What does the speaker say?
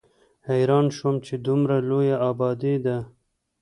حېران شوم چې دومره لويه ابادي ده